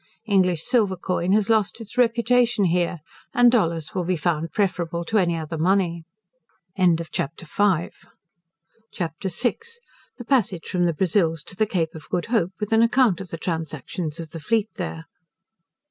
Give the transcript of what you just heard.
English silver coin has lost its reputation here, and dollars will be found preferable to any other money. CHAPTER VI. The Passage from the Brazils to the Cape of Good Hope; with an Account of the Transactions of the Fleet there.